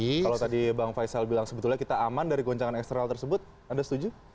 kalau tadi bang faisal bilang sebetulnya kita aman dari goncangan eksternal tersebut anda setuju